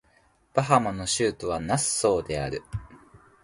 バハマの首都はナッソーである